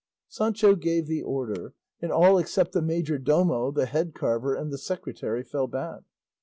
Sancho gave the order, and all except the majordomo, the head carver, and the secretary fell back.